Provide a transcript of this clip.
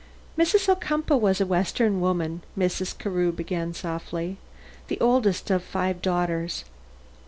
"Mrs. Ocumpaugh was a western woman," Mrs. Carew began softly; "the oldest of five daughters.